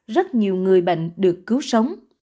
rất nhiều người bệnh được cứu sống